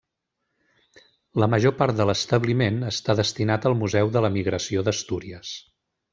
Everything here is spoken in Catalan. La major part de l'establiment està destinat al Museu de l'Emigració d'Astúries.